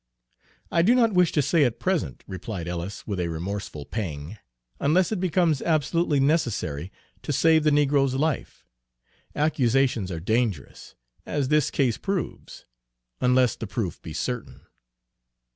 "I do not wish to say at present," replied Ellis, with a remorseful pang, "unless it becomes absolutely necessary, to save the negro's life. Accusations are dangerous, as this case proves, unless the proof, be certain."